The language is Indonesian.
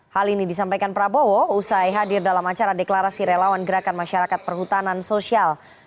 hal ini disampaikan prabowo usai hadir dalam acara deklarasi relawan gerakan masyarakat perhutanan sosial